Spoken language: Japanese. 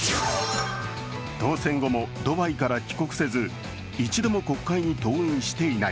当選後もドバイから帰国せず一度も国会に登院していない。